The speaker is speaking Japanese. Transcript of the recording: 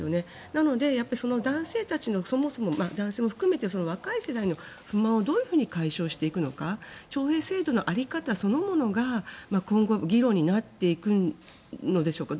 なので、男性たちのそもそも男性を含めて若い世代の不満をどういうふうに解消していくのか徴兵制度の在り方そのものが今後、議論になっていくんでしょうか。